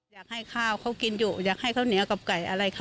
อยากให้ข้าวเขากินอยู่อยากให้ข้าวเหนียวกับไก่อะไรคะ